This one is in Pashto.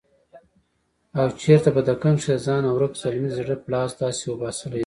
او چرته په دکن کښې دځانه ورک زلمي دزړه بړاس داسې وباسلے دے